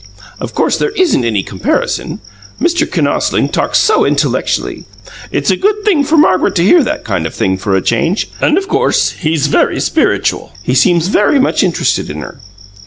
Of course there isn't any comparison. Mr. Kinosling talks so intellectually; it's a good thing for Margaret to hear that kind of thing, for a change and, of course, he's very spiritual. He seems very much interested in her."